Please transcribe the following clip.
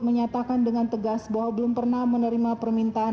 menyatakan dengan tegas bahwa belum pernah menerima permintaan